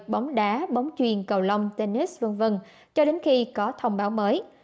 bóng đá bóng chuyền cầu lông tennis v v cho đến khi có thông báo mới